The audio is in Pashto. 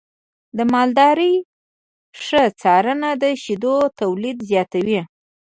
د مالدارۍ ښه څارنه د شیدو تولید زیاتوي.